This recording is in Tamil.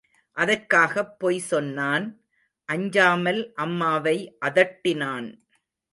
அதற்காகப் பொய் சொன்னான், அஞ்சாமல் அம்மாவை அதட்டினான்.